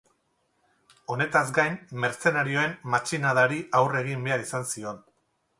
Honetaz gain, mertzenarioen matxinadari aurre egin behar izan zion.